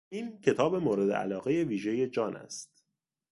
این کتاب مورد علاقهی ویژهی جان است.